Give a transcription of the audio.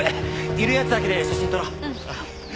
いる奴だけで写真撮ろう。